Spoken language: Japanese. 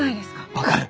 分かる！